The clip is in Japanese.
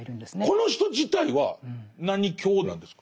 この人自体は何教なんですか？